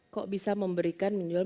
kok bisa memberikan menjual